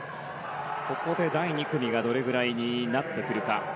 ここで第２組がどれくらいになってくるか。